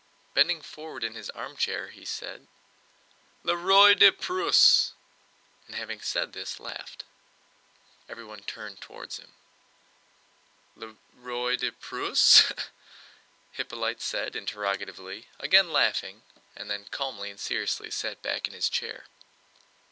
Bending forward in his armchair he said: "Le Roi de Prusse!" and having said this laughed. Everyone turned toward him. "Le Roi de Prusse?" Hippolyte said interrogatively, again laughing, and then calmly and seriously sat back in his chair.